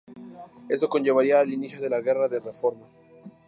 Esto conllevaría al inicio de la Guerra de Reforma.